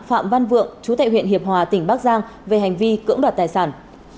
phạm văn vượng chú tại huyện hiệp hòa tỉnh bắc giang về hành vi cưỡng đoạt tài sản